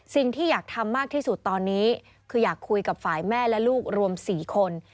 สิ่งที่อยากทำมากที่สุดตอนนี้คืออยากคุยกับฝ่ายแม่และลูกรวม๔คน